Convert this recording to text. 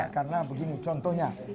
karena begini contohnya